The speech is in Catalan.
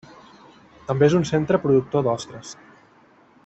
També és un centre productor d'ostres.